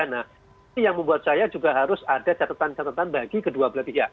nah ini yang membuat saya juga harus ada catatan catatan bagi kedua belah pihak